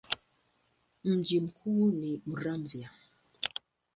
Mji mkuu ni Muramvya.